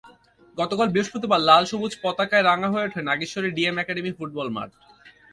গতকাল বৃহস্পতিবার লাল-সবুজ পতাকায় রাঙা হয়ে ওঠে নাগেশ্বরী ডিএম একাডেমি ফুটবল মাঠ।